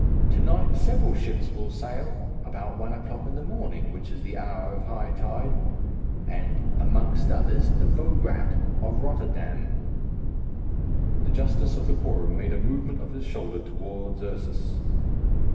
To night several ships will sail, about one o'clock in the morning, which is the hour of high tide, and, amongst others, the Vograat of Rotterdam." The justice of the quorum made a movement of his shoulder towards Ursus.